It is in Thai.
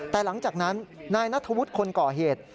แต่หลังจากนั้นนายนัทธวุฒิคนก่อเหตุ